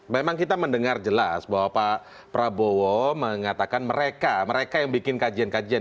memang kita mendengar jelas bahwa pak prabowo mengatakan mereka mereka yang bikin kajian kajian